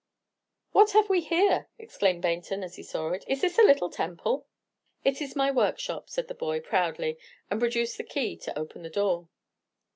"What have we here!" exclaimed Baynton as he saw it; "is this a little temple?" "It is my workshop," said the boy, proudly, and produced the key to open the door.